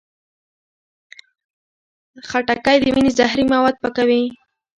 خټکی د وینې زهري مواد پاکوي.